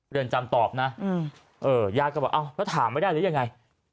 เรือนจำตอบนะย่าก็บอกแล้วถามไว้ได้หรือยังไง